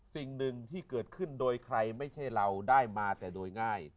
สิ่งหนึ่งที่เกิดขึ้นโดยใครไม่ใช่เราได้มาแต่โดยง่าย